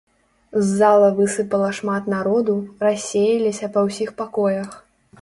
З зала высыпала шмат народу, рассеяліся па ўсіх пакоях.